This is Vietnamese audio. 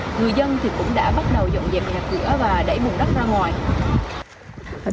người dân cũng đã bắt đầu dọn dẹp nhà cửa và đẩy bùng đất ra ngoài